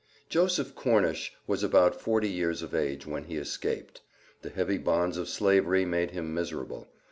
Joseph Cornish was about forty years of age when he escaped. The heavy bonds of Slavery made him miserable.